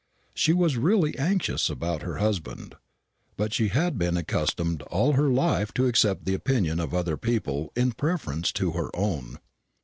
She was really anxious about her husband, but she had been accustomed all her life to accept the opinion of other people in preference to her own.